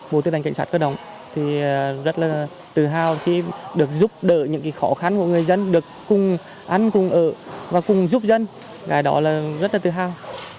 bộ tư đoàn cảnh sát cơ đông thì rất là tự hào khi được giúp đỡ những cái khó khăn của người dân được cùng ăn cùng ở và cùng giúp dân là đó là rất là tự hào